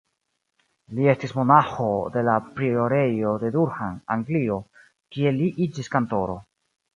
Li estis monaĥo de la priorejo de Durham, Anglio, kie li iĝis kantoro.